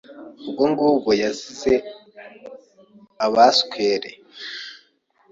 Ubwo ngubwo yazize Abaswere